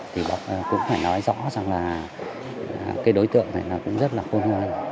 thì cũng phải nói rõ rằng là cái đối tượng này là cũng rất là phôn hoan